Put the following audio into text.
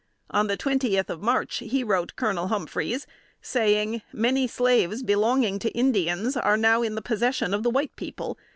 On the twentieth of March he wrote Colonel Humphreys, saying, "Many slaves belonging to the Indians ARE NOW IN POSSESSION OF THE WHITE PEOPLE.